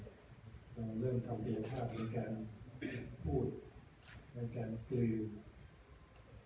เราเริ่มทำเปลี่ยนภาพในการพูดในการกลืน